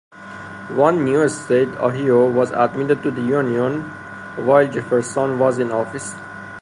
One new state, Ohio, was admitted to the Union while Jefferson was in office.